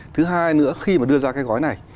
thứ hai nữa khi mà đưa ra cái gói này